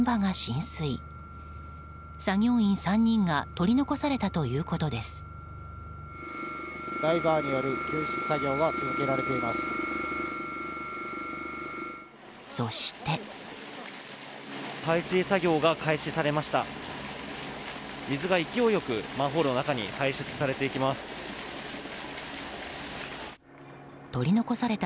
排水作業が開始されました。